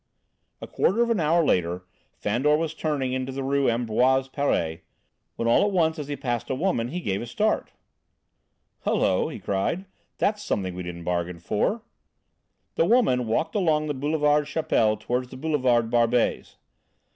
A quarter of an hour later Fandor was turning into the Rue Ambroise Paré, when all at once as he passed a woman he gave a start. "Hullo!" he cried; "that's something we didn't bargain for!..." The woman walked along the Boulevard Chapelle toward the Boulevard Barbès.